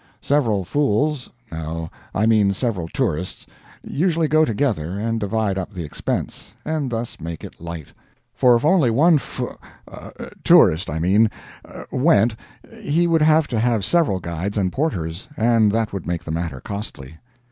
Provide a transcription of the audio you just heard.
Several fools no, I mean several tourists usually go together, and divide up the expense, and thus make it light; for if only one f tourist, I mean went, he would have to have several guides and porters, and that would make the matter costly.